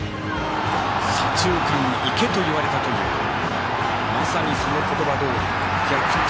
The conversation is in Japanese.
左中間行けといわれたというまさにその言葉どおり。逆転